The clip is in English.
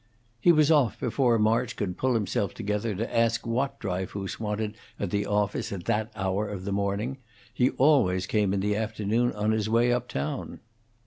He was off before March could pull himself together to ask what Dryfoos wanted at the office at that hour of the morning; he always came in the afternoon on his way up town.